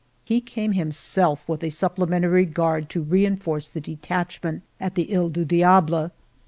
Fie came himself with a supplementary guard to reinforce the detachment at the He du Diable.